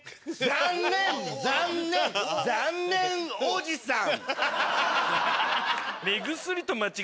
残念残念残念おじさん！